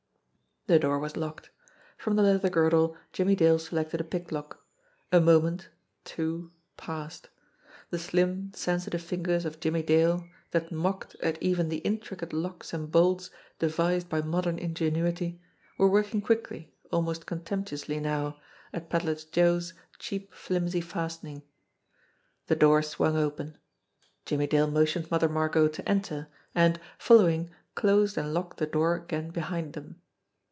The door was locked. From the leather girdle Jimmie Dale selected a pick lock. A moment, two, passed. The slim, sensitive fingers of Jimmie Dale, that mocked at even the intricate locks and bolts devised by modern ingenuity, were working quickly, almost contemptuously now, at Pedler Jo/ 4 '* 94 JIMMIE DALE AND THE PHANTOM CLUE cheap, flimsy fastening. The door swung open. Jimmie Dale motioned Mother Margot to enter, and, following, closed and locked the door again behind them.